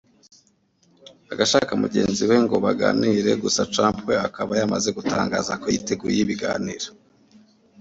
agashaka mugenzi we ngo baganire gusa Trump we akaba yamaze gutangaza ko yiteguye ibiganiro